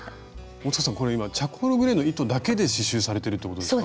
大さんこれ今チャコールグレーの糸だけで刺しゅうされてるってことですか？